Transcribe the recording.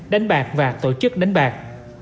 đánh bạc và tổ chức đánh bạc